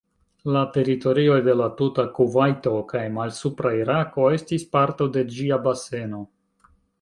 La teritorioj de la tuta Kuvajto kaj malsupra Irako estis parto de ĝia baseno.